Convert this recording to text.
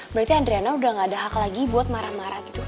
berarti andriana udah gak ada hak lagi buat marah marah gitu